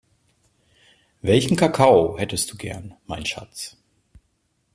Welchen Kakao hättest du gern, mein Schatz?